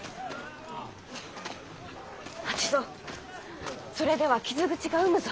八蔵それでは傷口が膿むぞ。